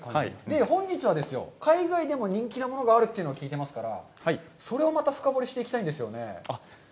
本日はですよ、海外でも人気のものがあるというのを聞いてますから、それをまた深掘りしていきたいんですよね。